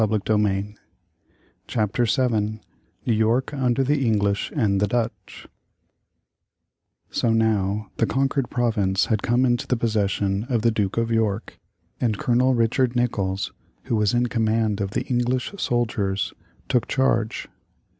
CHAPTER VII NEW YORK under the ENGLISH and the DUTCH So now the conquered province had come into the possession of the Duke of York, and Colonel Richard Nicolls, who was in command of the English soldiers, took charge.